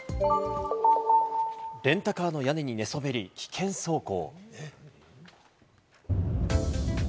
レンタカーの屋根に寝そべり、危険走行。